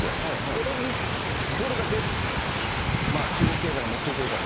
それにどれだけ中国経済が乗っていけるかと。